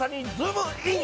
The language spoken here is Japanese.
ズームイン！！